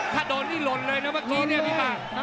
ถ้าโดนนี่หล่นเลยนะเมื่อกี้เนี่ยพี่หมาก